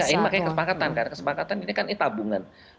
ini makanya kesepakatan karena kesepakatan ini kan tabungan